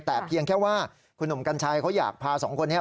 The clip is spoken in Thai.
แต่เพียงแค่ว่าคุณหนุ่มกัญชัยเขาอยากพาสองคนนี้